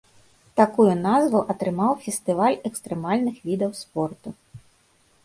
Такую назву атрымаў фестываль экстрэмальных відаў спорту.